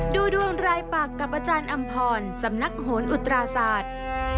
ดูดวงรายปักกับอาจารย์อำพรสำนักโหนอุตราศาสตร์